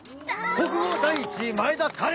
国語第１位前田花恋！